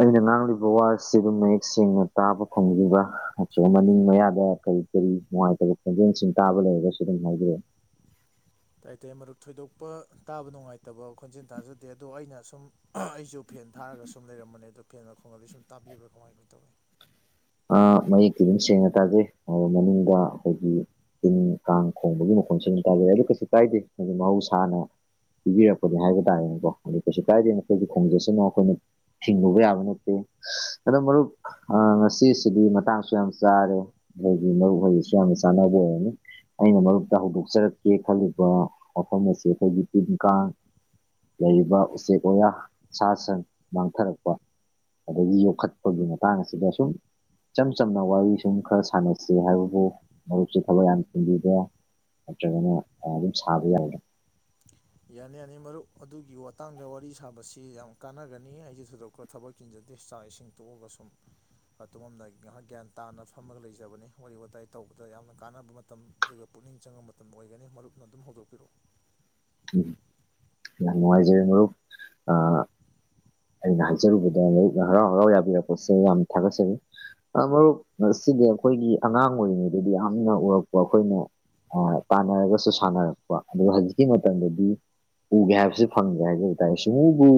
ꯑꯩꯅꯥ ꯉꯥꯡꯂꯤꯕꯥ ꯋꯥꯁꯤꯕꯨ ꯃꯌꯦꯛ ꯁꯦꯡꯅ ꯇꯥꯕ ꯐꯪꯕꯤꯕ꯭ꯔ ꯅꯠꯇ꯭ꯔꯒ ꯃꯅꯤꯡ ꯃꯌꯥꯗ ꯀꯔꯤ ꯀꯔꯤ ꯅꯨꯡꯉꯥꯏꯇꯕ ꯈꯣꯡꯖꯦꯜꯁꯤꯡ ꯇꯥꯕ ꯂꯩꯔꯒꯁꯨ ꯑꯗꯨꯝ ꯍꯥꯢꯕꯤꯔꯛꯑꯣ ꯑꯇꯩ ꯑꯇꯩ ꯃꯔꯨꯞ ꯊꯣꯏꯗꯣꯛꯄ ꯇꯥꯕ ꯅꯨꯡꯉꯥꯏꯇꯕ ꯈꯣꯟꯖꯤꯟ ꯇꯥꯖꯗꯦ ꯑꯗꯣ ꯑꯩꯅ ꯑꯁꯨꯝ ꯑꯩꯁꯨ ꯐꯦꯟ ꯊꯥꯔꯒ ꯁꯨꯝ ꯂꯩꯔꯝꯕꯅꯦ ꯑꯗꯣ ꯐꯦꯟ ꯃꯈꯣꯟꯒꯗꯤ ꯁꯨꯝ ꯇꯥꯕꯤꯕ꯭ꯔꯥ ꯀꯃꯥꯏꯅ ꯇꯧꯋꯤ ꯃꯌꯦꯛꯇꯤ ꯑꯗꯨꯝ ꯁꯦꯡꯅ ꯇꯥꯖꯩ ꯑꯗꯨꯒ ꯃꯅꯨꯡꯗ ꯑꯈꯣꯏꯒꯤ ꯇꯤꯟ ꯀꯥꯡ ꯈꯣꯡꯕꯒꯤ ꯃꯈꯣꯟꯁꯨ ꯑꯗꯨꯝ ꯇꯥꯖꯩ ꯑꯗꯨ ꯀꯩꯁꯨ ꯀꯥꯏꯗꯦ ꯃꯍꯧꯁꯥꯅ ꯄꯤꯕꯤꯔꯛꯄꯅꯦ ꯍꯥꯏꯕ ꯇꯥꯔꯦꯅꯦꯀꯣ ꯑꯥ ꯀꯩꯁꯨ ꯀꯥꯏꯗꯦ ꯑꯩꯈꯣꯏꯒꯤ ꯈꯣꯡꯖꯠꯁꯤꯅ ꯑꯩꯈꯣꯏꯅ ꯊꯤꯡꯉꯨꯕ ꯌꯥꯕ ꯅꯠꯇꯦ ꯑꯗꯣ ꯃꯔꯨꯞ ꯑꯥ ꯉꯁꯤ ꯁꯤꯁꯤꯗꯤ ꯃꯇꯥꯡꯁꯨ ꯌꯥꯝ ꯆꯥꯔꯦ ꯑꯩꯈꯣꯏꯒꯤ ꯃꯔꯨꯞ ꯍꯩꯖꯤꯁꯨ ꯌꯥꯝꯅ ꯆꯥꯟꯅꯕ ꯑꯣꯏꯔꯅꯤ ꯑꯩꯅ ꯃꯔꯨꯞꯇ ꯍꯧꯗꯣꯛꯆꯔꯛꯀꯦ ꯈꯜꯂꯤꯕ ꯋꯥꯐꯝ ꯑꯁꯤ ꯑꯈꯣꯏꯒꯤ ꯇꯤꯟ ꯀꯥꯡ ꯂꯩꯔꯤꯕ ꯎꯆꯦꯛ ꯋꯥꯌꯥ ꯁꯥ ꯁꯟ ꯃꯥꯡꯊꯔꯛꯄ ꯑꯗꯒꯤ ꯌꯣꯛꯈꯠꯄꯒꯤ ꯃꯇꯥꯡ ꯑꯁꯤꯗ ꯁꯨꯝ ꯏꯆꯝ ꯆꯝꯅ ꯋꯥꯔꯤ ꯁꯨꯝ ꯈꯔ ꯁꯥꯟꯅꯁꯤ ꯍꯥꯏꯕꯕꯨ ꯃꯔꯨꯞꯁꯦ ꯊꯕꯛ ꯌꯥꯝ ꯆꯤꯟꯕꯤꯕ꯭ꯔꯥ ꯅꯇ꯭ꯔꯒꯅ ꯑꯗꯨꯝ ꯁꯥꯕ ꯌꯥꯕ꯭ꯔ ꯌꯥꯅꯤ ꯌꯥꯅꯤ ꯃꯔꯨꯞ ꯑꯗꯨꯒꯤ ꯋꯥꯇꯥꯡꯗ ꯋꯥꯔꯤ ꯁꯥꯕꯁꯤ ꯌꯥꯝ ꯀꯥꯟꯅꯒꯅꯤ ꯑꯩꯒꯤꯁꯨ ꯊꯣꯏꯗꯣꯛꯄ ꯊꯕꯛ ꯆꯤꯟꯖꯗꯦ ꯆꯥꯛ ꯏꯁꯤꯡ ꯇꯣꯛꯑꯒ ꯁꯨꯝ ꯑꯗꯣꯝꯅ ꯉꯥꯏꯍꯥꯛ ꯒ꯭ꯌꯥꯟ ꯇꯥꯅ ꯐꯝꯃꯒ ꯂꯩꯖꯕꯅꯤ ꯋꯥꯔꯤ ꯋꯥꯇꯥꯏ ꯇꯧꯕꯗ ꯌꯥꯝꯅ ꯀꯥꯟꯅꯕ ꯃꯇꯝꯗꯨꯒ ꯄꯨꯛꯅꯤꯡ ꯆꯪꯉꯕ ꯃꯇꯝ ꯑꯣꯏꯒꯅꯤ ꯃꯔꯨꯞꯅ ꯑꯗꯨꯝ ꯍꯧꯗꯣꯛꯄꯤꯔꯛꯎ ꯎꯝ ꯌꯥꯝ ꯅꯨꯡꯉꯥꯏꯖꯔꯦ ꯃꯔꯨꯞ ꯑꯥ ꯑꯩꯅ ꯍꯥꯏꯖꯔꯨꯕꯗ ꯃꯔꯨꯞꯅ ꯍꯔꯥꯎ ꯍꯔꯥꯎ ꯌꯥꯕꯤꯔꯛꯄꯁꯦ ꯌꯥꯝꯅ ꯊꯥꯒꯠꯆꯩ ꯃꯔꯨꯞ ꯑꯁꯤꯗꯤ ꯑꯩꯈꯣꯏꯒꯤ ꯑꯉꯥꯡ ꯑꯣꯏꯔꯤꯉꯩꯗꯗꯤ ꯌꯥꯝꯅ ꯎꯔꯛꯄ ꯑꯩꯈꯣꯏꯅ ꯑꯥ ꯇꯥꯟꯅꯔꯒꯁꯨ ꯁꯥꯟꯅꯔꯛꯄ ꯑꯗꯨꯒ ꯍꯧꯖꯤꯛꯀꯤ ꯃꯇꯝꯗꯗꯤ ꯎꯒꯦ ꯍꯥꯏꯕꯁꯤ ꯐꯪꯗꯦ ꯍꯥꯏꯖꯕ ꯇꯥꯔꯦ ꯁꯨꯎꯕꯨ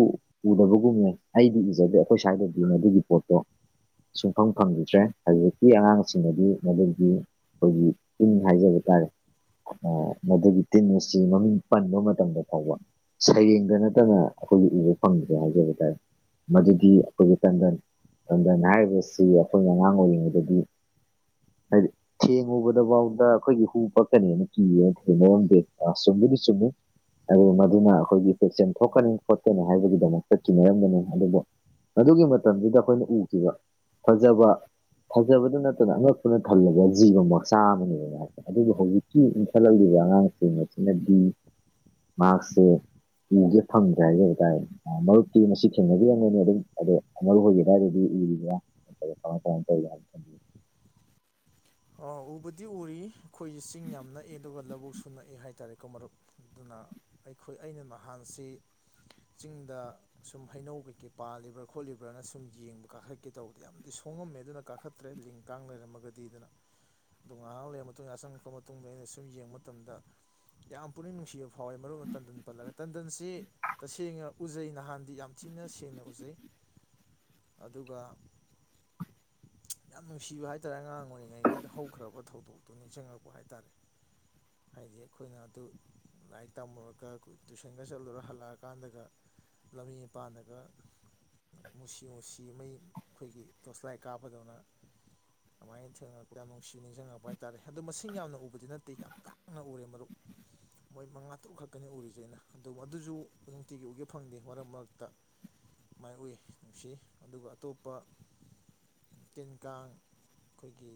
ꯎꯗꯕꯒꯨꯝꯅꯦ ꯑꯩꯗꯤ ꯎꯖꯗꯦ ꯑꯩꯈꯣꯏ ꯁ꯭ꯋꯥꯏꯗꯗꯤ ꯃꯗꯨꯒꯤ ꯄꯣꯠꯇꯣ ꯁꯨꯡꯐꯪ ꯐꯪꯈꯤꯗ꯭ꯔꯦ ꯍꯧꯖꯤꯛꯀꯤ ꯑꯉꯥꯡꯁꯤꯡꯅꯗꯤ ꯃꯗꯨꯒꯤ ꯑꯈꯣꯏꯒꯤ ꯇꯤꯟ ꯍꯥꯏꯖꯕ ꯇꯥꯔꯦ ꯃꯗꯨꯒꯤ ꯇꯤꯟ ꯑꯁꯤ ꯃꯃꯤꯡ ꯄꯟꯕ ꯃꯇꯝꯗ ꯐꯥꯎꯕ ꯁꯩꯔꯦꯡꯗ ꯅꯠꯇꯅ ꯑꯩꯈꯣꯏꯒꯤ ꯎꯕ ꯐꯪꯗ꯭ꯔꯦ ꯍꯥꯏꯖꯕ ꯇꯥꯏ ꯃꯗꯨꯗꯤ ꯑꯩꯈꯣꯏꯒꯤ ꯇꯟꯗꯟ ꯇꯟꯗꯟ ꯍꯥꯏꯔꯤꯕꯁꯤ ꯑꯩꯈꯣꯏꯅ ꯑꯉꯥꯡ ꯑꯣꯏꯔꯤꯉꯩꯗꯗꯤ ꯍꯥꯏꯗꯤ ꯊꯦꯡꯉꯨꯕꯗꯐꯥꯎꯗ ꯑꯩꯈꯣꯏꯒꯤ ꯍꯨ ꯄꯛꯀꯅꯤꯅ ꯀꯤꯌꯦꯅ ꯊꯦꯡꯅꯔꯝꯗꯦ ꯑꯥ ꯆꯨꯝꯕꯨꯗꯤ ꯆꯨꯝꯃꯤ ꯑꯗꯨ ꯃꯗꯨꯅ ꯑꯩꯈꯣꯏꯒꯤ ꯄꯦꯛꯁꯟ ꯊꯣꯛꯀꯅꯤ ꯈꯣꯠꯀꯅꯤ ꯍꯥꯏꯕꯒꯤꯗꯃꯛꯇ ꯀꯤꯅꯔꯝꯕꯅꯤ ꯑꯗꯨꯕꯨ ꯑꯗꯨꯒꯤ ꯃꯇꯝꯗꯨꯗ ꯑꯩꯈꯣꯏꯅ ꯎꯈꯤꯕ ꯐꯖꯕ ꯐꯖꯕꯗ ꯅꯠꯇꯅ ꯑꯉꯛꯄꯅ ꯊꯜꯂꯕ ꯖꯤꯕ ꯃꯆꯥ ꯑꯃꯅꯦꯕ ꯃꯥ ꯑꯗꯨꯕꯨ ꯍꯧꯖꯤꯛꯀꯤ ꯏꯟꯈꯠꯂꯛꯂꯤꯕ ꯑꯉꯥꯡꯁꯤꯡ ꯑꯁꯤꯅꯗꯤ ꯃꯍꯥꯛꯁꯦ ꯎꯒꯦ ꯐꯪꯗ꯭ꯔꯦ ꯍꯥꯏꯖꯕ ꯇꯥꯔꯦ ꯃꯔꯨꯞꯛꯇꯤ ꯃꯁꯤ ꯊꯦꯡꯅꯕꯤꯔꯝꯒꯅꯤ ꯑꯗꯨꯝ ꯑꯗꯣ ꯃꯔꯨꯞ ꯍꯣꯏꯒꯤ ꯑꯗꯨꯋꯥꯏꯗꯗꯤ ꯎꯔꯤꯕꯔꯥ [unintelligible] ꯑ ꯎꯕꯗꯤ ꯎꯔꯤ ꯑꯩꯈꯣꯏꯁꯦ ꯆꯤꯡ ꯌꯥꯝ ꯅꯛꯑꯦ ꯑꯗꯨꯒ ꯂꯧꯕꯨꯛꯁꯨ ꯅꯛꯑꯦ ꯍꯥꯏꯇꯥꯔꯦꯀꯣ ꯃꯔꯨꯞ ꯑꯗꯨꯅ ꯑꯩꯈꯣꯏ ꯑꯩꯅ ꯅꯍꯥꯟꯁꯤ ꯆꯤꯡꯗ ꯁꯨꯝ ꯍꯩꯅꯧ ꯀꯩꯀꯩ ꯄꯥꯜꯂꯤꯕ꯭ꯔꯥ ꯈꯣꯠꯂꯤꯕ꯭ꯔꯥꯅ ꯁꯨꯝ ꯌꯦꯡꯕ ꯀꯥꯈꯠꯀꯦ ꯇꯧꯕ ꯌꯥꯝꯗꯤ ꯁꯣꯡꯉꯝꯃꯦ ꯑꯗꯨꯅ ꯀꯥꯈꯠꯇ꯭ꯔꯦ ꯂꯤꯡ ꯀꯥꯡ ꯂꯩꯔꯝꯃꯒꯗꯤ ꯑꯗꯨꯅ ꯑꯗꯣ ꯉꯥꯏꯍꯥꯛ ꯂꯩꯔꯕ ꯃꯇꯨꯡꯗ ꯆꯪꯉꯄ ꯃꯇꯨꯡꯗ ꯑꯩꯅ ꯁꯨꯝ ꯌꯦꯡꯕ ꯃꯇꯝꯗ ꯌꯥꯝ ꯄꯨꯛꯅꯤꯡ ꯅꯨꯡꯁꯤꯕ ꯐꯥꯎꯋꯤ ꯃꯔꯨ ꯑꯣꯏꯅ ꯇꯟꯗꯟ ꯄꯜꯂꯒ ꯇꯟꯗꯟꯁꯤ ꯇꯁꯦꯡꯅ ꯎꯖꯩ ꯅꯍꯥꯟꯗꯤ ꯌꯥꯝ ꯊꯤꯅ ꯁꯦꯡꯅ ꯎꯖꯩ ꯑꯗꯨꯒ ꯌꯥꯝ ꯅꯨꯡꯁꯤꯕ ꯍꯥꯏꯇꯥꯔꯦ ꯑꯉꯥꯡ ꯑꯣꯏꯔꯤꯉꯩ ꯒꯤꯗ ꯍꯧꯈ꯭ꯔꯕ ꯊꯧꯗꯣꯛꯇꯨꯅꯤ ꯆꯉꯛꯄ ꯍꯥꯏꯇꯥꯔꯦ [inaudible] ꯍꯥꯏꯗꯤ ꯑꯩꯈꯣꯏꯅ ꯑꯗꯨ ꯂꯥꯏꯔꯤꯛ ꯇꯝꯃꯨꯔꯒ ꯇꯨꯏꯁꯟꯒ ꯆꯠꯂꯨꯔ ꯍꯜꯂꯛꯑꯀꯥꯟꯗꯒ ꯂꯝꯕꯤ ꯃꯄꯥꯟꯂꯒ ꯃꯨꯁꯤ ꯃꯨꯁꯤ ꯃꯩ ꯑꯩꯈꯣꯏꯒꯤ ꯇꯣꯔꯁꯂꯥꯏ ꯀꯥꯞꯄꯗꯧꯅ ꯑꯗꯨꯃꯥꯏꯅ ꯊꯦꯡꯅ ꯌꯥꯝ ꯅꯨꯡꯁꯤ ꯅꯤꯡꯁꯤꯡꯉꯛꯄ ꯍꯥꯏꯇꯥꯔꯦ ꯑꯗꯣ ꯃꯁꯤꯡ ꯌꯥꯝꯅ ꯎꯕꯗꯤ ꯅꯠꯇꯦ ꯌꯥꯝ ꯇꯥꯡꯅ ꯎꯔꯦ ꯃꯔꯨꯞ ꯃꯣꯏ ꯃꯉꯥ ꯇꯔꯨꯛ ꯈꯛꯀꯅꯤ ꯎꯔꯤꯁꯦ ꯑꯩꯅ ꯑꯗꯨ ꯃꯗꯨꯁꯨ ꯅꯨꯡꯇꯤꯒꯤ ꯎꯒꯦ ꯐꯪꯗꯦ ꯃꯔꯛ ꯃꯔꯛꯇ ꯃꯥꯏ ꯎꯏ ꯅꯨꯡꯁꯤ ꯑꯗꯨꯒ ꯑꯇꯣꯞꯄ ꯇꯤꯟ ꯀꯥꯡ ꯑꯩꯈꯣꯏꯒꯤ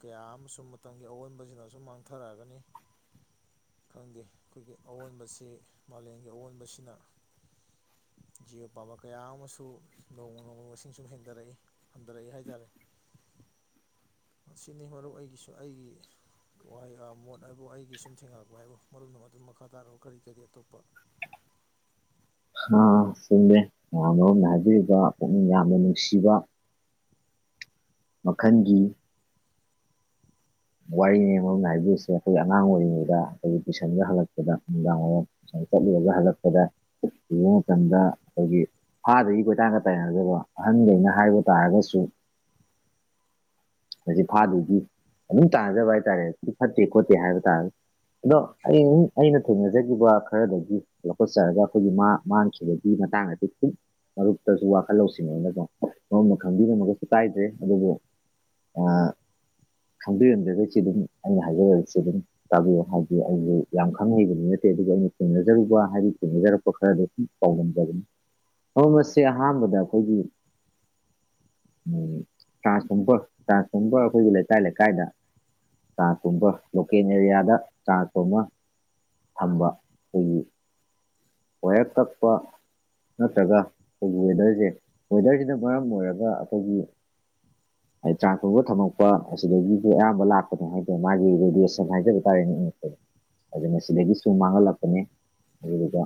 ꯀꯌꯥ ꯑꯃꯁꯨ ꯃꯇꯝꯒꯤ ꯑꯑꯣꯟꯕꯁꯤꯅ ꯁꯨꯝ ꯃꯥꯡꯊꯔꯛꯒꯅꯤ ꯈꯪꯗꯦ ꯑꯩꯈꯣꯏꯒꯤ ꯑꯑꯣꯟꯕꯁꯤ ꯃꯥꯂꯦꯝꯒꯤ ꯑꯑꯣꯟꯕꯁꯤꯅ ꯖꯤꯑꯣ ꯄꯕꯔ ꯀꯌꯥ ꯑꯃꯁꯨ ꯅꯣꯡꯃ ꯅꯣꯡꯃ ꯃꯁꯤꯡ ꯁꯨꯝ ꯍꯦꯟꯊꯔꯛꯏ ꯍꯟꯊꯔꯛꯏ ꯍꯥꯏꯇꯥꯔꯦ ꯑꯁꯤꯅꯤ ꯃꯔꯨꯞ ꯑꯩꯒꯤꯁꯨ ꯑꯩꯒꯤ ꯋꯥꯍꯩ ꯃꯣꯠ ꯍꯥꯏꯕꯨ ꯑꯩꯒꯤ ꯁꯨꯝ ꯊꯦꯡꯅꯔꯛꯄ ꯍꯥꯏꯕꯨ ꯃꯔꯨꯞꯅ ꯑꯗꯨꯝ ꯃꯈꯥ ꯇꯥꯔꯛꯑꯣ ꯀꯔꯤ ꯀꯔꯤ ꯑꯇꯣꯞꯄ ꯑꯝ ꯆꯨꯝꯃꯦ ꯃꯌꯥꯝ ꯃꯔꯨꯞꯅ ꯍꯥꯏꯕꯤꯔꯤꯕ ꯄꯨꯛꯅꯤꯡ ꯌꯥꯝꯅ ꯅꯨꯡꯁꯤꯕ ꯃꯈꯟꯒꯤ ꯋꯥꯔꯤꯅꯦ ꯃꯔꯝꯅ ꯍꯥꯏꯕꯤꯣꯏꯁꯦ ꯑꯩꯈꯣꯏ ꯑꯉꯥꯡ ꯑꯣꯏꯔꯤꯉꯩꯗ ꯑꯩꯈꯣꯏ ꯑꯩꯅ ꯍꯜꯂꯛꯄꯗ ꯅꯨꯡꯗꯥꯡ ꯋꯥꯏꯝ ꯆꯠꯂꯨꯔꯒ ꯍꯜꯂꯛꯄꯗ ꯌꯦꯡ ꯆꯗ ꯈꯣꯏꯒꯤ ꯍꯥꯥꯗꯒꯤ ꯀꯣꯏꯇꯥꯡꯒ ꯇꯥꯏꯅꯖꯕ ꯑꯍꯟꯈꯩꯅ ꯍꯥꯏꯕ ꯇꯥꯔꯒꯁꯨ ꯃꯁꯤ ꯐꯥꯗꯨꯒꯤ ꯑꯗꯨꯝ ꯇꯥꯟꯅꯖꯕ ꯍꯥꯏꯇꯥꯔꯦ ꯑꯗꯨ ꯐꯠꯇꯦ ꯈꯣꯠꯇꯦ ꯍꯥꯏꯕ ꯇꯥꯔꯒ ꯑꯗꯣ ꯑꯩ ꯑꯩꯅ ꯊꯦꯡꯅꯖꯈꯤꯕ ꯈꯔꯗꯒꯤ ꯂꯧꯈꯠꯆꯔꯒ ꯑꯩꯈꯣꯏꯒꯤ ꯃꯥ ꯃꯥꯡꯈꯤꯕꯒꯤ ꯃꯇꯥꯡꯗ ꯃꯔꯨꯞꯇꯁꯨ ꯋꯥꯈꯜ ꯂꯧꯁꯤꯅꯕ ꯃꯔꯨꯞꯅ ꯈꯪꯕꯤꯔꯝꯃꯒꯁꯨ ꯀꯥꯏꯗ꯭ꯔꯦ ꯑꯗꯨꯕꯨ ꯈꯪꯕꯤꯔꯝꯗꯒꯁꯨ ꯑꯗꯨꯝ ꯑꯩꯅ ꯍꯥꯏꯖꯔꯛꯏꯁꯤ ꯑꯗꯨꯝ ꯇꯥꯕꯤꯌꯨ ꯍꯥꯏꯗꯤ ꯑꯩꯁꯨ ꯌꯥꯝ ꯈꯪꯅ ꯍꯩꯕꯗꯤ ꯅꯠꯇꯦ ꯑꯗꯨꯒ ꯑꯩꯅ ꯊꯦꯡꯅꯖꯔꯨꯕ ꯍꯥꯏꯗꯤ ꯊꯦꯡꯅꯖꯔꯛꯄ ꯈꯔꯗ ꯄꯥꯎꯗꯝꯖꯕꯅꯤ ꯃꯐꯝ ꯑꯁꯤ ꯑꯍꯥꯟꯕꯗ ꯑꯩꯈꯣꯏꯒꯤ ꯎꯝ ꯇꯕ ꯇꯀꯨꯝꯕ ꯑꯩꯈꯣꯏꯒꯤ ꯂꯩꯀꯥꯏ ꯂꯩ ꯀꯥꯏꯗ ꯆꯥ ꯊꯣꯡꯕ ꯂꯣꯀꯦꯜ ꯑꯦꯔꯤꯌꯥꯗ ꯆꯥ ꯊꯣꯡꯕ ꯊꯝꯕ ꯑꯩꯈꯣꯏꯒꯤ ꯋꯥꯏꯔ ꯇꯥꯠꯄꯥ ꯅꯠꯇ꯭ꯔꯒ ꯑꯩꯈꯣꯏꯒꯤ ꯋꯦꯗꯔꯁꯦ ꯋꯦꯗꯔꯁꯤꯅ ꯃꯔꯝ ꯑꯣꯏꯔꯒ ꯑꯩꯈꯣꯏꯒꯤ [inaudible] ꯍꯥꯏꯗꯤ ꯇ꯭ꯔꯥꯟꯁꯐꯣꯔꯃꯔ ꯊꯝꯃꯛꯄ ꯑꯁꯤꯗꯒꯤꯁꯨ ꯑꯌꯥꯝꯕ ꯂꯥꯛꯄꯅꯦ ꯍꯥꯏꯇꯥꯔꯦ ꯃꯥꯒꯤ ꯔꯦꯗꯤꯌꯦꯁꯟ ꯍꯥꯏꯖꯕ ꯇꯥꯔꯦꯅꯦ ꯏꯪꯉꯛꯄꯗ ꯑꯗꯨꯅ ꯁꯤꯗꯒꯤꯁꯨ ꯃꯥꯡꯍꯜꯂꯛꯄꯅꯤ ꯑꯗꯨꯗꯨꯒ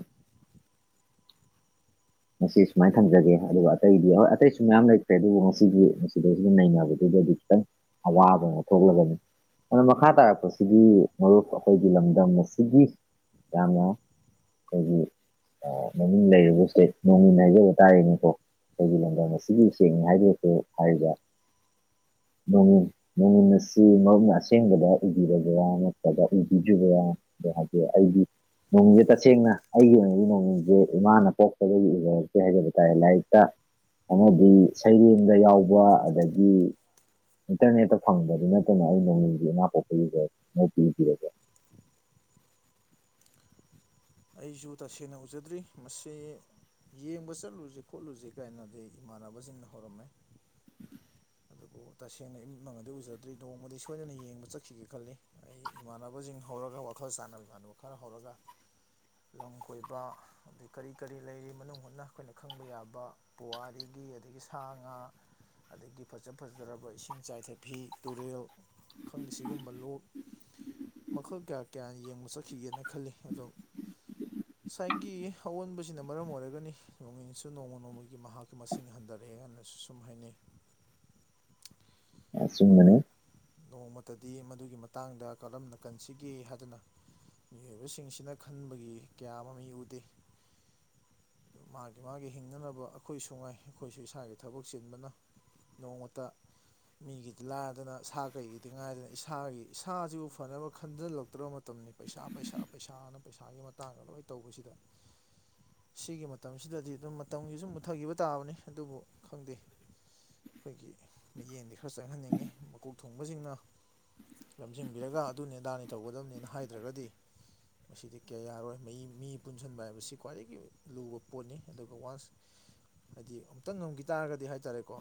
ꯃꯁꯤ ꯁꯨꯃꯥꯏꯅ ꯊꯝꯖꯒꯦ ꯑꯗꯨꯒ ꯑꯇꯩꯗꯤ ꯍꯣꯏ ꯑꯇꯩꯁꯨ ꯃꯌꯥꯝ ꯂꯩꯇ꯭ꯔꯦ ꯑꯗꯨꯕꯨ ꯉꯁꯤꯗꯤ ꯃꯁꯤꯗ ꯁꯤ ꯅꯩꯅꯕꯗ ꯑꯗꯨꯗꯗꯤ ꯈꯤꯇꯪ ꯑꯋꯥꯕ ꯑꯃꯥ ꯊꯣꯛꯂꯒꯅꯤ ꯑꯗꯨ ꯃꯈꯥ ꯇꯥꯔꯛꯄꯁꯤꯗꯤ ꯑꯩꯈꯣꯏꯒꯤ ꯂꯝꯗꯝ ꯑꯁꯤꯒꯤꯗꯤ ꯌꯥꯝꯅ ꯑꯩꯈꯣꯏꯒꯤ ꯃꯃꯤꯡ ꯂꯩꯔꯤꯕ ꯁꯇꯦ ꯅꯣꯡꯏꯟ ꯍꯥꯏꯖꯕ ꯇꯥꯔꯅꯤꯀꯣ ꯑꯩꯈꯣꯏꯒꯤ ꯂꯝꯗꯝ ꯑꯁꯤꯒꯤ ꯎꯆꯦꯡꯅꯤ ꯍꯥꯏꯗꯨꯁꯨ ꯍꯥꯏꯔꯤꯕ [unintelligible] ꯅꯣꯡꯏꯟ ꯑꯁꯤ ꯃꯔꯨꯞꯅ ꯑꯁꯦꯡꯕꯗ ꯎꯕꯤꯔꯕ꯭ꯔꯥ ꯅꯠꯇ꯭ꯔꯒ ꯎꯕꯤꯗ꯭ꯔꯤꯕꯔꯥ ꯑꯣ ꯍꯥꯏꯗꯤ ꯑꯩꯒꯤ ꯅꯣꯡꯉꯤꯡꯁꯦ ꯇꯁꯦꯡꯅ ꯑꯩꯒꯤ ꯑꯣꯏꯅꯗꯤ ꯅꯣꯡꯉꯤꯡꯁꯦ ꯏꯃꯥꯅ ꯄꯣꯛ ꯗꯒꯤ ꯎꯖꯔꯛꯇꯔꯤ ꯍꯥꯏꯖꯕ ꯇꯥꯔꯦ ꯂꯥꯏꯔꯤꯛꯇ ꯑꯃꯗꯤ ꯁꯩꯔꯦꯡꯗ ꯌꯥꯎꯕ ꯑꯗꯒꯤ ꯏꯟꯇꯔꯅꯦꯠꯇ ꯐꯪꯕꯗꯨ ꯅꯠꯇꯅ ꯑꯩ ꯅꯣꯡꯏꯟꯁꯤ ꯏꯃꯥ ꯄꯣꯛꯄꯒꯤ ꯎꯖꯥꯔꯛꯇꯔꯤ ꯃꯔꯨꯞꯇꯤ ꯎꯕꯤꯔꯕꯣ ꯑꯩꯁꯨ ꯇꯁꯦꯡꯅ ꯎꯖꯗ꯭ꯔꯤ ꯃꯁꯤ ꯌꯦꯡꯕ ꯆꯠꯂꯨꯁꯤ ꯈꯣꯠꯂꯨꯁꯦ ꯀꯥꯏꯅꯗꯤ ꯏꯃꯥꯟꯅꯕꯁꯤꯡꯅ ꯍꯧꯔꯝꯃꯦ [unintelligible] ꯑꯗꯨꯕꯨ ꯇꯁꯦꯡꯅ ꯏꯃꯠ ꯃꯪꯛꯅꯗꯤ ꯎꯖꯗ꯭ꯔꯤ ꯅꯣꯡꯃꯗꯤ ꯁꯣꯏꯗꯅ ꯌꯦꯡꯕ ꯆꯠꯈꯤꯒꯦ ꯈꯜꯂꯤ ꯑꯩ ꯏꯃꯥꯟꯅꯕꯁꯤꯡ ꯍꯧꯔꯒ ꯋꯥꯈꯜ ꯆꯥꯟꯅꯕ ꯏꯃꯥꯟꯅꯕ ꯈꯔ ꯍꯧꯔꯒ ꯂꯝ ꯀꯣꯏꯕ ꯑꯗꯩ ꯀꯔꯤ ꯀꯔꯤ ꯂꯩꯔꯤ ꯃꯅꯨꯡ ꯍꯨꯠꯅ ꯑꯩꯈꯣꯏꯅ ꯈꯪꯕ ꯌꯥꯕ ꯄꯨꯋꯥꯔꯤꯒꯤ ꯑꯗꯒꯤ ꯁꯥ ꯉꯥ ꯑꯗꯒꯤ ꯐꯖ ꯐꯖꯔꯕ ꯏꯁꯤꯡ ꯆꯥꯏꯊꯥꯕꯤ ꯇꯨꯔꯦꯜ ꯈꯪꯗꯦ ꯁꯤꯒꯨꯝꯕ ꯂꯣꯛ ꯃꯈꯜ ꯀꯌꯥ ꯀꯌꯥꯅ ꯌꯦꯡꯕ ꯆꯠꯈꯤꯒꯦꯅ ꯈꯜꯂꯤ ꯑꯗꯣ ꯉꯁꯥꯏꯒꯤ ꯑꯑꯣꯟꯕꯁꯤꯅ ꯃꯔꯝ ꯑꯣꯏꯔꯒꯅꯤ ꯅꯣꯡꯏꯟꯁꯨ ꯅꯣꯡꯃ ꯅꯣꯡꯃꯒꯤ ꯃꯍꯥꯛꯀꯤ ꯃꯁꯤꯡ ꯍꯟꯊꯔꯛꯑꯦ ꯍꯥꯏꯅ꯫ ꯁꯨꯝ ꯍꯥꯏꯅꯩ [unintelligible] ꯑꯩꯈꯣꯏꯅ ꯑꯆꯨꯝꯕꯅꯤ ꯅꯣꯡꯃꯇꯗꯤ ꯃꯗꯨꯒꯤ ꯃꯇꯥꯡꯗ ꯀꯔꯝꯅ ꯀꯟꯁꯤꯒꯦ ꯍꯥꯏꯗꯅ꯫ ꯃꯤꯑꯣꯏꯕꯁꯤꯡꯁꯤꯅ ꯈꯟꯕꯒꯤ ꯀꯌꯥ ꯃꯃꯤ ꯎꯗꯦ꯫ ꯃꯥꯒꯤ ꯃꯥꯒꯤ ꯍꯤꯡꯅꯅꯕ ꯑꯩꯈꯣꯏꯁꯨꯉꯥꯏ ꯑꯩꯈꯣꯏꯁꯨ ꯏꯁꯥꯒꯤ ꯊꯕꯛ ꯆꯤꯟꯕꯅ ꯅꯣꯡꯃꯇ꯫ ꯃꯤꯒꯤꯗꯤ ꯂꯥꯏꯗꯅ ꯁꯥ ꯀꯩꯒꯤꯗꯤ ꯉꯥꯏꯗꯅ ꯏꯁꯥꯒꯤ ꯏꯁꯥꯁꯤꯕꯨ ꯐꯅꯕ ꯈꯟꯖꯤꯜꯂꯛꯇ꯭ꯔꯕ ꯃꯇꯝꯅꯤ ꯄꯩꯁꯥ ꯄꯩꯁꯥ ꯄꯩꯁꯥꯅ ꯄꯩꯁꯥꯒꯤ ꯃꯇꯥꯡꯗ ꯂꯣꯏ ꯇꯧꯕꯁꯤꯗ ꯁꯤꯒꯤ ꯃꯇꯝꯁꯤꯗꯗꯤ ꯑꯗꯨꯝ ꯃꯇꯝꯒꯤꯁꯨꯨꯝ ꯃꯨꯊꯈꯤꯕ ꯇꯥꯕꯅꯤ ꯑꯗꯨꯕꯨ ꯈꯪꯗꯦ ꯑꯩꯈꯣꯏꯒꯤ ꯃꯤꯠꯌꯦꯡꯗꯤ ꯈꯔ ꯆꯪꯍꯟꯅꯤꯡꯉꯤ ꯃꯀꯣꯛ ꯊꯣꯡꯕꯁꯤꯡꯅ꯫ ꯂꯝꯖꯤꯡꯕꯤꯔꯒ ꯑꯗꯨ ꯅꯗꯥꯅꯤ ꯇꯧꯒꯗꯕꯅꯤꯅ ꯍꯥꯏꯗ꯭ꯔꯒꯗꯤ ꯃꯁꯤꯗꯤ ꯀꯌꯥ ꯌꯥꯔꯣꯏ ꯃꯤ ꯄꯨꯟꯁꯤꯟꯕ ꯍꯥꯏꯕꯁꯤ ꯈ꯭ꯋꯥꯏꯗꯒꯤ ꯂꯨꯕ ꯄꯣꯠꯅꯤ ꯑꯗꯨꯒ ꯋꯥꯟꯁ ꯍꯥꯏꯗꯤ ꯑꯃꯨꯛꯇ ꯅꯝꯈꯤ ꯇꯥꯔꯒꯗꯤ ꯍꯥꯏꯇꯥꯔꯦꯀꯣ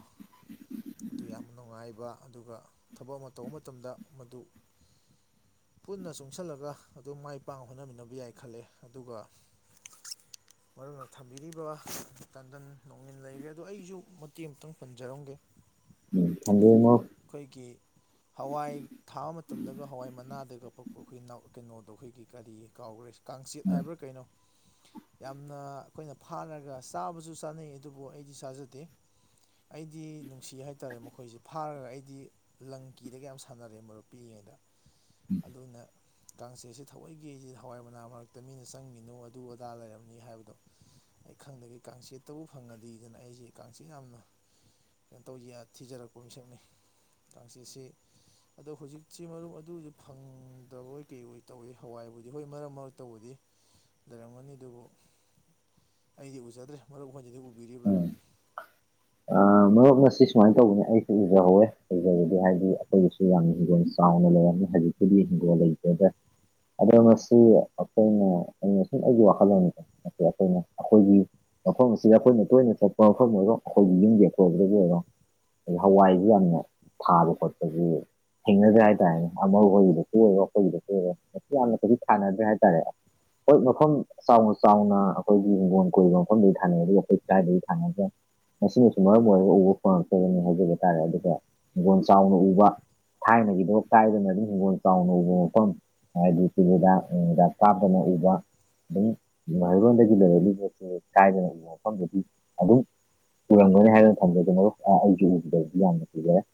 ꯃꯗꯨ ꯌꯥꯝ ꯅꯨꯡꯉꯥꯏꯕ ꯑꯗꯨꯒ ꯊꯕꯛ ꯑꯃ ꯇꯧꯕ ꯃꯇꯝꯗ ꯃꯗꯨ꯫ ꯄꯨꯟꯅ ꯆꯨꯡꯁꯜꯂꯒ ꯑꯗꯨꯝ ꯃꯥꯏ ꯄꯥꯛꯅ ꯍꯣꯠꯅꯃꯤꯟꯅꯕ ꯌꯥꯏ ꯈꯜꯂꯦ ꯑꯗꯨꯒ ꯃꯔꯨꯞꯅ ꯊꯝꯕꯤꯔꯤꯕ ꯇꯟꯗꯟ ꯅꯣꯡꯉꯤꯟ ꯂꯩꯈ꯭ꯔꯦ ꯑꯗꯣ ꯑꯩꯁꯨ꯫ ꯃꯇꯦꯛ ꯑꯝꯇ ꯄꯟꯖꯔꯝꯒꯦ ꯎꯝ ꯊꯗꯝꯉꯣ꯫ [inaudible] ꯑꯩꯈꯣꯏꯒꯤ꯫ ꯍꯋꯥꯏ ꯊꯥꯕ ꯃꯇꯝꯗꯒ ꯍꯋꯥꯏ ꯃꯅꯥꯗꯒ ꯄꯛꯄ ꯑꯩꯈꯣꯏ ꯅꯥꯎ ꯀꯩꯅꯣꯗꯣ ꯑꯩꯈꯣꯏꯒꯤ ꯀꯔꯤ꯫ ꯀꯥꯎꯈ꯭ꯔꯦ ꯀꯥꯡꯆꯤꯠ ꯎꯝ ꯍꯥꯏꯕ꯭ꯔꯥ ꯀꯩꯅꯣ ꯌꯥꯝꯅ ꯑꯩꯈꯣꯏꯅ ꯐꯥꯔꯒ ꯆꯥꯕꯁꯨ ꯆꯥꯅꯩ ꯑꯗꯨꯕꯨ ꯑꯩꯗꯤ ꯆꯥꯖꯗꯦ ꯑꯩꯗꯤ ꯅꯨꯡꯁꯤ ꯍꯥꯏꯇꯥꯔꯦ ꯃꯈꯣꯏꯁꯦ ꯐꯥꯔꯒ ꯑꯩꯗꯤ꯫ ꯂꯪ ꯀꯤꯗꯒ ꯌꯥꯝ ꯁꯥꯟꯅꯔꯛꯑꯦ ꯃꯔꯨꯞ ꯄꯤꯛꯏꯉꯩꯗ꯫ ꯑꯗꯨꯅ ꯀꯥꯡꯁꯦ ꯑꯁꯤ ꯊꯑꯣꯏꯒꯤꯁꯤ ꯍꯋꯥꯏ ꯃꯅꯥ ꯃꯔꯛ ꯍꯦꯛꯇ ꯃꯤꯅ ꯆꯪꯈꯤꯅꯣ ꯑꯗꯨ ꯑꯗꯥ ꯂꯩꯔꯝꯅꯤ ꯍꯥꯏꯕꯗꯣ꯫ ꯑꯩ ꯈꯪꯗꯒꯦ ꯀꯥꯡꯆꯦꯠꯇꯕꯨ ꯐꯪꯉꯗꯤꯗꯅ ꯑꯩꯁꯦ ꯀꯥꯡꯆꯦ ꯌꯥꯝꯅ ꯀꯩꯅꯣ ꯇꯧ ꯊꯤꯖꯔꯛꯄ ꯃꯤꯁꯛꯅꯤ ꯀꯥꯡꯆꯤꯁꯤ ꯑꯗꯣ ꯍꯧꯖꯤꯛꯁꯤ ꯃꯔꯨꯞ ꯑꯗꯨꯗꯤ ꯐꯪꯗ꯭ꯔꯕꯣꯏ ꯀꯩ ꯑꯣꯏ ꯇꯧꯋꯤ ꯍꯋꯥꯏꯕꯨꯗꯤ ꯍꯣꯏ ꯃꯔꯛ ꯃꯔꯛ꯫ ꯇꯧꯕꯗꯤ ꯂꯩꯔꯝꯒꯅꯤ ꯑꯗꯨꯕꯨ ꯑꯩꯗꯤ ꯎꯖꯗ꯭ꯔꯦ ꯃꯔꯨꯞ ꯑꯩꯈꯣꯏꯗꯗꯤ ꯎꯕꯤꯔꯤꯕ꯭ꯔꯥ ꯎꯝ ꯃꯔꯨꯞ ꯁꯤ ꯁꯨꯃꯥꯏꯅ ꯇꯧꯕꯅꯦ ꯑꯩ ꯎꯖꯍꯧꯋꯦ ꯎꯖꯕꯗꯤ ꯍꯥꯏꯗꯤ ꯑꯩꯈꯣꯏꯗꯁꯨ ꯌꯥꯝꯅ ꯍꯤꯡꯒꯣꯜ ꯆꯥꯎꯅ ꯂꯩꯔꯝꯃꯦ ꯍꯧꯖꯤꯛꯄꯨꯗꯤ ꯍꯤꯡꯒꯣꯜ ꯂꯩꯖꯗ꯭ꯔꯦ ꯑꯗꯣ ꯃꯁꯤ ꯑꯩꯈꯣꯏꯅ ꯑꯩꯅ ꯁꯨꯝ ꯑꯩꯒꯤ ꯋꯥꯈꯜꯂꯣꯟꯗ ꯑꯩꯈꯣꯏꯅ ꯑꯩꯈꯣꯏꯒꯤ ꯃꯐꯝꯁꯤꯗ ꯑꯩꯈꯣꯏꯅ ꯇꯣꯏꯅ ꯊꯣꯛꯄ ꯃꯐꯝ ꯑꯣꯏꯔꯣ ꯑꯩꯈꯣꯏꯒꯤ ꯌꯨꯝꯒꯤ ꯑꯀꯣꯏꯕꯁꯨ ꯑꯣ ꯍꯋꯥꯏꯁꯨ ꯌꯥꯝꯅ ꯊꯥꯕ ꯈꯣꯠꯄꯒꯤ ꯊꯦꯡꯅꯗ꯭ꯔꯦ ꯍꯥꯏꯇꯥꯔꯦꯅꯦ ꯑꯃꯈꯣꯏꯒꯤꯗꯁꯨ ꯑꯣꯏꯔꯣ ꯑꯩꯈꯣꯏꯒꯤꯗꯁꯨ ꯑꯣꯏꯔꯣ ꯃꯁꯤ ꯌꯥꯝꯅ ꯀꯖꯤꯛ ꯊꯥꯅꯗ꯭ꯔꯦ ꯍꯥꯏꯇꯥꯔꯦ ꯍꯣꯏ ꯃꯐꯝ ꯆꯥꯎꯅ ꯆꯥꯎꯅ ꯑꯩꯈꯣꯏꯒꯤ ꯍꯤꯡꯒꯣꯣꯟ ꯀꯣꯏꯔꯤꯕ ꯃꯐꯝꯗꯗꯤ ꯊꯥꯅꯩ ꯑꯗꯨꯒ ꯑꯩꯈꯣꯏ ꯀꯥꯏꯗꯒꯤ ꯊꯥꯅꯒ ꯃꯁꯤꯅꯁꯨ ꯃꯔꯝ ꯑꯣꯏꯔꯒ ꯎꯕ ꯐꯪꯉꯛꯇꯕꯅꯤ ꯍꯥꯏꯖꯕ ꯇꯥꯔꯦ ꯑꯗꯨꯒ ꯍꯤꯡꯒꯣꯜ ꯆꯥꯎꯅ ꯎꯕ ꯊꯥꯏꯅꯒꯤꯗꯣ ꯀꯥꯏꯗꯅ ꯑꯗꯨ ꯍꯤꯡꯒꯣꯜ ꯆꯥꯎꯅꯂꯩꯕ ꯃꯐꯝ ꯍꯥꯏꯗꯤ ꯁꯤꯗꯨ [unintelligible] ꯇꯥꯞꯗꯅ ꯎꯕ ꯑꯗꯨꯝ ꯃꯩꯔꯣꯟꯗꯒꯤ ꯂꯩꯔꯛꯂꯤ [unintelligible] ꯀꯥꯏꯗꯅ ꯃꯐꯝꯗꯒꯤ ꯑꯗꯨꯝ ꯄꯨꯔꯝꯒꯅꯤ ꯍꯥꯏꯗꯅ ꯊꯝꯕꯗ ꯃꯔ ꯑꯩꯁꯨ ꯎꯕꯗꯗꯤ ꯌꯥꯝꯅ ꯄꯨꯖꯔꯦ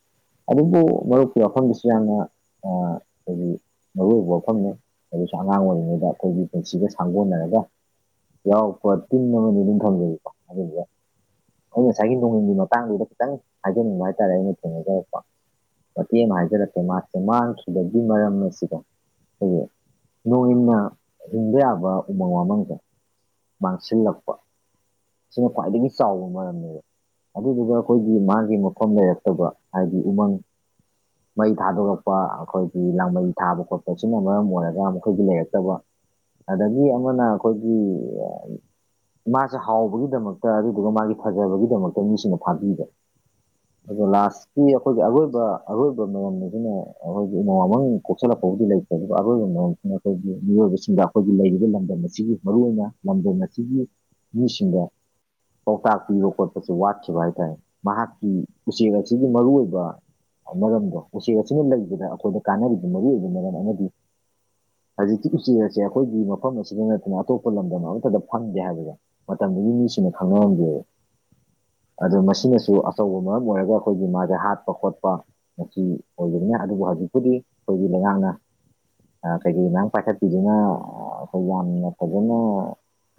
ꯑꯗꯨꯕꯨ ꯃꯔꯨꯞꯀꯤ ꯋꯥꯐꯝꯗꯨꯁꯨ ꯌꯥꯝꯅ ꯍꯥꯏꯈꯣꯏꯒꯤ ꯃꯔꯨ ꯑꯣꯏꯕ ꯋꯥꯐꯝꯅꯤ ꯑꯗꯨꯁꯨ ꯑꯉꯥꯡ ꯑꯣꯏꯔꯤꯉꯩꯗ ꯑꯩꯈꯣꯏꯒꯤ ꯄꯨꯟꯁꯤꯒ ꯁꯥꯡꯒꯣꯟꯅꯔꯒ ꯌꯥꯎꯔꯛꯄ ꯇꯤꯟ ꯑꯃꯅꯤ ꯑꯗꯨꯝ ꯊꯝꯖꯔꯤꯀꯣ ꯑꯗꯨꯒ ꯑꯩꯅ ꯉꯁꯥꯏꯒꯤ ꯅꯣꯡꯡꯂꯤꯟꯒꯤ ꯃꯇꯥꯡꯗꯨꯗ ꯈꯤꯇꯪ ꯍꯥꯏꯖꯅꯤꯡꯕ ꯍꯥꯏꯇꯥꯔꯦ ꯑꯩꯅ ꯊꯦꯡꯅꯖꯔꯛꯄ ꯃꯇꯦꯡ ꯑꯃ ꯍꯥꯏꯖꯔꯛꯀꯦ ꯃꯥꯁꯦ ꯃꯥꯡꯈꯤꯕꯒꯤ ꯃꯔꯝꯅ ꯑꯁꯤꯗ ꯑꯩꯌꯦ ꯅꯣꯡꯏꯟꯅ ꯍꯤꯡꯕ ꯌꯥꯕ ꯎꯃꯪ ꯋꯥꯃꯪꯗ ꯃꯥꯡꯁꯤꯜꯂꯛꯄ ꯁꯤꯅ ꯈ꯭ꯋꯥꯏꯗꯒꯤ ꯆꯥꯎꯕ ꯃꯔꯝꯅꯦꯕ ꯑꯗꯨꯗꯨꯒ ꯑꯩꯈꯣꯏꯒꯤ ꯃꯥꯒꯤ ꯃꯐꯝ ꯂꯩꯔꯛꯇꯕ ꯍꯥꯏꯗꯤ ꯎꯃꯪ ꯃꯩ ꯊꯥꯗꯣꯔꯛꯄ ꯑꯩꯈꯣꯏꯒꯤ ꯂꯥꯡꯃꯩ ꯊꯥꯕ ꯈꯣꯠꯄ ꯁꯤꯅ ꯃꯔꯝ ꯑꯣꯏꯔꯒ ꯃꯈꯣꯏꯒꯤ ꯂꯩꯔꯛꯇꯕ ꯑꯗꯒꯤ ꯑꯃꯅ ꯑꯩꯈꯣꯏꯒꯤ ꯏꯃꯁꯦ ꯍꯥꯎꯕꯒꯤꯗꯃꯛꯇ ꯑꯗꯨ ꯑꯗꯨꯒ ꯃꯥꯒꯤ ꯐꯖꯕꯒꯤꯗꯃꯛꯇ ꯃꯤꯁꯤꯡꯅ ꯊꯥꯕꯤꯕ ꯑꯗꯨꯒ ꯂꯥꯁ ꯁꯤꯤ ꯑꯩꯈꯣꯏꯒꯤ ꯑꯔꯣꯏꯕ ꯑꯔꯣꯏꯕ ꯃꯣꯁꯤꯅ ꯑꯩꯈꯣꯏꯒꯤ ꯅꯣꯡꯃ ꯃꯅꯨꯡ ꯀꯣꯛꯁꯤꯜꯂꯛꯄꯕꯨꯗꯤ ꯂꯩꯇꯦ ꯑꯗꯨ ꯑꯔꯣꯏꯕ ꯃ ꯑꯩꯈꯣꯏꯒꯤ ꯃꯤꯑꯣꯏꯕꯁꯤꯡꯒꯤ ꯑꯩꯈꯣꯏꯒꯤ ꯂꯩꯔꯤꯕ ꯂꯝꯗꯝ ꯑꯁꯤꯒꯤ ꯃꯔꯨ ꯑꯣꯏꯅ ꯂꯝꯗꯝ ꯑꯁꯤꯒꯤ ꯃꯤꯁꯤꯡꯕ ꯄꯥꯎꯇꯥꯛ ꯄꯤꯕ ꯈꯣꯠꯄꯁꯦ ꯋꯥꯠꯈꯤꯕ ꯍꯥꯏꯇꯥꯔꯦ ꯃꯍꯥꯛꯀꯤ ꯎꯆꯦꯛ ꯑꯁꯤꯒꯤ ꯃꯔꯨꯏꯕ ꯃꯔꯝꯗꯣ ꯎꯆꯦꯛ ꯑꯁꯤꯅ ꯂꯩꯕꯗ ꯑꯩꯈꯣꯏꯗ ꯀꯥꯟꯅꯔꯤꯗꯨ ꯃꯔꯨꯑꯣ ꯑꯣꯏꯕ ꯃꯔꯝ ꯑꯃꯗꯤ ꯍꯧꯖꯤꯛꯀꯤ ꯎꯆꯦꯛ ꯑꯁꯦ ꯑꯩꯈꯣꯏꯒꯤ ꯃꯐꯝ ꯑꯁꯤꯗ ꯅꯠꯇꯅ ꯑꯇꯣꯞꯄ ꯂꯝꯗꯝ ꯑꯃꯠꯇꯗ ꯐꯪꯗꯦ ꯍꯥꯏꯕꯁꯦ ꯃꯇꯝꯗꯨꯒꯤ ꯃꯤꯁꯤꯡꯅ ꯈꯪꯅꯔꯝꯗꯦꯕ ꯑꯗꯣ ꯃꯁꯤꯅꯁꯨ ꯑꯆꯧꯕ ꯃꯔꯝ ꯑꯣꯏꯔꯒ ꯑꯩꯈꯣꯏꯒꯤ ꯃꯥꯁꯦ ꯍꯥꯠꯄ ꯈꯣꯠꯄ ꯃꯁꯤ ꯑꯣꯏꯕꯅꯤꯅꯦ ꯑꯗꯨꯕꯨ ꯍꯧꯖꯤꯛꯄꯨꯗꯤ ꯑꯩꯈꯣꯏꯒꯤ ꯂꯩꯉꯥꯛꯅ ꯀꯩꯩ ꯉꯥꯡ ꯄꯥꯏꯈꯠꯄꯤꯗꯨꯅ ꯑꯩꯈꯣꯏ ꯌꯥꯝꯅ ꯐꯖꯅ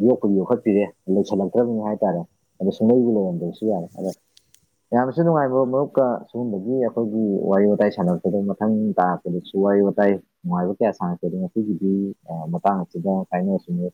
ꯌꯣꯛꯄꯒꯤ ꯌꯣꯛꯈꯠꯄꯤꯔꯦ ꯂꯩꯁꯜꯂꯛꯇ꯭ꯔꯕꯅꯤ ꯍꯥꯏꯇꯥꯔꯦ ꯑꯗꯣ ꯁꯨꯡꯃꯩꯕꯨ ꯂꯩꯔꯝꯗꯕꯁꯨ ꯌꯥꯔꯦ ꯑꯗꯣ ꯌꯥꯝꯅꯁꯨ ꯅꯨꯡꯉꯥꯏꯕ ꯃꯔꯨꯞꯀ ꯁꯤꯒꯨꯝꯕꯒꯤ ꯑꯩꯈꯣꯏꯒꯤ ꯋꯥꯔꯤ ꯋꯥꯇꯥꯏ ꯁꯥꯟꯅꯔꯛꯄꯗ ꯃꯊꯪ ꯇꯥ ꯀꯁꯨ ꯋꯥꯔꯤ ꯋꯥꯇꯥꯏ ꯅꯨꯡꯉꯥꯏꯕ ꯀꯌꯥ ꯁꯥꯟꯅꯛꯀꯦꯗꯣ ꯉꯒꯤꯗꯤ ꯃꯇꯥꯡ ꯑꯁꯤꯗ ꯀꯥꯏꯅꯔꯁꯨꯅꯦ